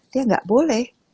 dia tidak boleh